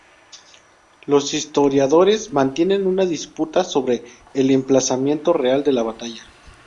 Los historiadores mantienen una disputa sobre el emplazamiento real de la batalla.